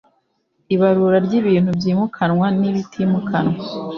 ibarura ry ibintu byimukanwa n ibitimikanwa